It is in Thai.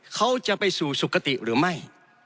เขาจะไปสู่สุขติหรือไม่